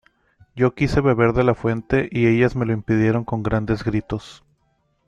yo quise beber de la fuente, y ellas me lo impidieron con grandes gritos: